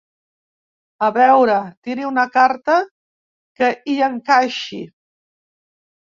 A veure, tiri una carta que hi encaixi.